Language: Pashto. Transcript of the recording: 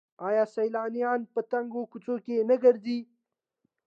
آیا سیلانیان په تنګو کوڅو کې نه ګرځي؟